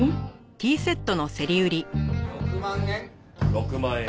６万円。